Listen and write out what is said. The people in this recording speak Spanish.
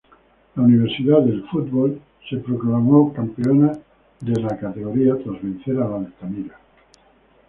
La Universidad del Fútbol se proclamó campeona de la categoría tras vencer al Altamira.